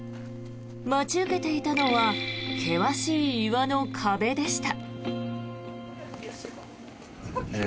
待ち受けていたのは険しい岩の壁でした。